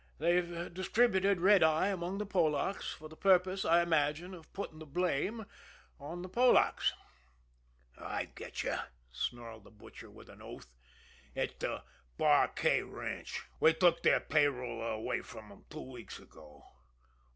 "They've distributed red eye among the Polacks, for the purpose, I imagine, of putting the blame on the Polacks." "I get you!" snarled the Butcher, with an oath. "It's de Bar K Ranch we took their payroll away from 'em two weeks ago.